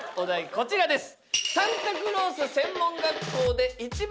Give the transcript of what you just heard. こちらです